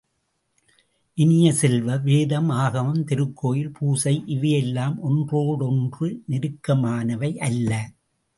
இனிய செல்வ, வேதம், ஆகமம், திருக்கோயில் பூசை இவையெல்லாம் ஒன்றோடொன்று நெருக்கமானவையல்ல.